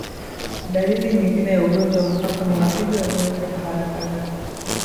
Dalili nyingine ya ugonjwa wa mapafu ni mapigo ya moyo kwenda harakaharaka